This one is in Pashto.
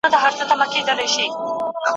شيطان ولي د انسان دښمن دی؟